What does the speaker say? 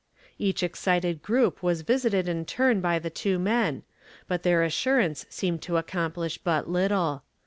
Each excited group was visited in turn by the two men, but their assurance seemed to accomplish but little.